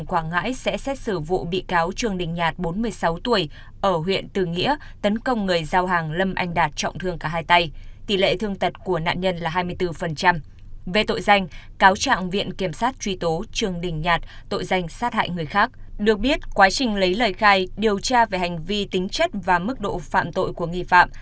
quá trình lấy lời khai điều tra về hành vi tính chất và mức độ phạm tội của nghi phạm